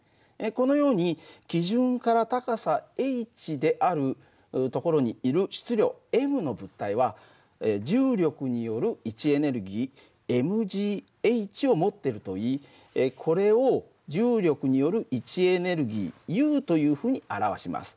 このように基準から高さｈである所にいる質量ｍの物体は重力による位置エネルギーｍｈを持ってるといいこれを重力による位置エネルギーＵというふうに表します。